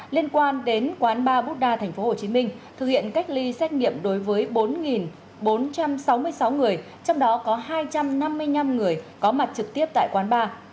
liên quan đến quán ba bút đa tp hcm thực hiện cách ly xét nghiệm đối với bốn bốn trăm sáu mươi sáu người trong đó có hai trăm năm mươi năm người có mặt trực tiếp tại quán bar